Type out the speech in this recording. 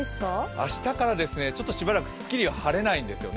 明日からですねしばらくすっきりは晴れないんですよね。